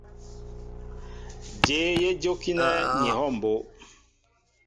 Jéé yé jókínέ ní ehɔw mbó.